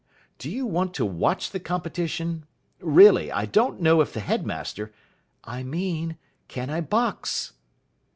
Do you want to watch the competition? Really, I don't know if the headmaster " "I mean, can I box?"